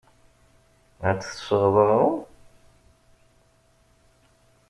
Ad d-tesɣeḍ aɣrum.